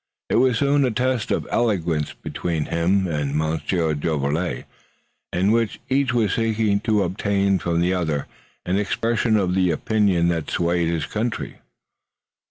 It was soon a test of eloquence between him and Monsieur Jolivet, in which each was seeking to obtain from the other an expression of the opinion that swayed his country.